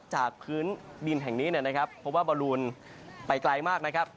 จากพื้นดินแห่งนี้นะครับเพราะว่าบอลลูนไปไกลมากนะครับ